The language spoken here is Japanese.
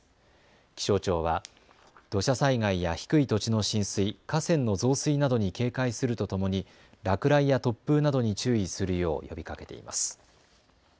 気象庁は土砂災害や低い土地の浸水、河川の増水などに警戒するとともに落雷や突風などに注意するよう呼びかけています。